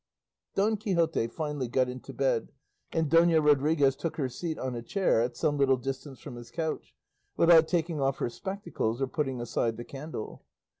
Don Quixote finally got into bed, and Dona Rodriguez took her seat on a chair at some little distance from his couch, without taking off her spectacles or putting aside the candle.